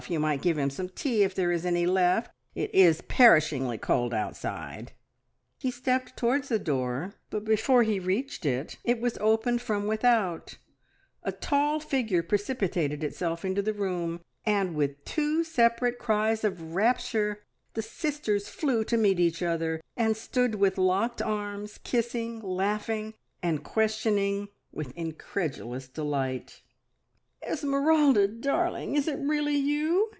You might give him some tea if there is any left. It is perishingly cold outside!" He stepped towards the door, but before he reached it, it was opened from without, a tall figure precipitated itself into the room, and with two separate cries of rapture the sisters flew to meet each other, and stood with locked arms, kissing, laughing, and questioning, with incredulous delight. "Esmeralda darling! Is it really you?